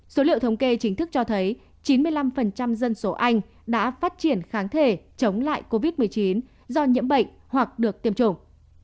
số liệu thống kê chính thức cho thấy chín mươi năm dân số anh đã phát triển kháng thể chống lại covid một mươi chín do nhiễm bệnh hoặc được tiêm chủng